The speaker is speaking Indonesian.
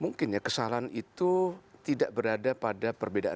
mungkin ya kesalahan itu tidak berada pada perbedaan